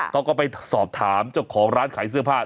เขาก็ไปสอบถามเจ้าของร้านขายเสื้อผ้า